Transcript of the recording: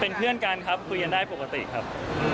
เป็นเพื่อนกันครับคุยกันได้ปกติครับ